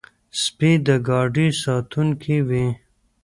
سپي د ګاډي ساتونکي وي.